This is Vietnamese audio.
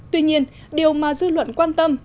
tuy nhiên điều mà dư luận quan tâm